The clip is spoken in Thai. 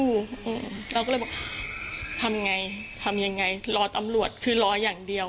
อืมเราก็เลยบอกทำไงทำยังไงรอตำรวจคือรออย่างเดียว